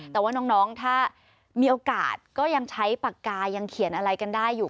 แต่ว่าน้องถ้ามีโอกาสก็ยังใช้ปากกายังเขียนอะไรกันได้อยู่